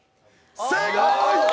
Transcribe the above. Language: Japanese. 正解！